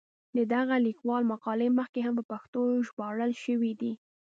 د دغه لیکوال مقالې مخکې هم په پښتو ژباړل شوې دي.